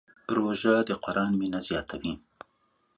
روژه د قرآن مینه زیاتوي.